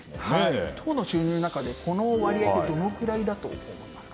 党の収入の中でこの割合はどのくらいだと思いますか？